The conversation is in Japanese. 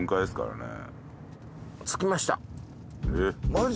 マジ？